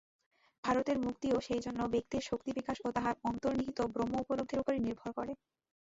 ভারতের মুক্তিও সেইজন্য ব্যক্তির শক্তি-বিকাশ ও তাহার অন্তর্নিহিত ব্রহ্ম-উপলব্ধির উপরই নির্ভর করে।